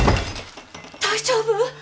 大丈夫？